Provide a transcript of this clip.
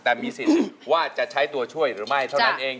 แต่มีสิทธิ์ว่าจะใช้ตัวช่วยหรือไม่เท่านั้นเอง